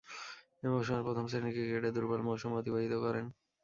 এ মৌসুমের প্রথম-শ্রেণীর ক্রিকেটে দূর্বল মৌসুম অতিবাহিত করেন।